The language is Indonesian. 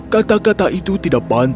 kata kata itu tidak pantas